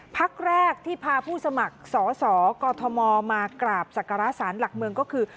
พักแรกที่พาผู้สมัครสอสอกอทมมากราบศักระสารหลักเมืองก็คือ